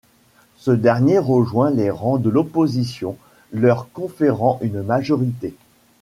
Ce dernier rejoint les rangs de l'opposition, leur conférant une majorité.